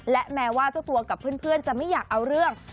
และแม้ว่าเจ้าตัวกับเพื่อนจะไม่อยากเอาเรื่อง